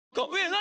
何？